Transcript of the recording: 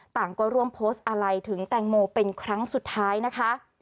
ต่างก็ร่วมโพสต์อะไรถึงแตงโมเป็นครั้งสุดท้ายนะคะ